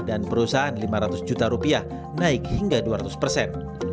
dan perusahaan lima ratus juta rupiah naik hingga dua ratus persen